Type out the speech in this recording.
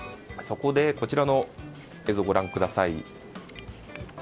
そこで、こちらの映像をご覧ください。